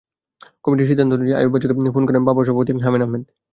কমিটির সিদ্ধান্ত অনুযায়ী আইয়ুব বাচ্চুকে ফোন করেন বামবা সভাপতি হামিন আহমেদ।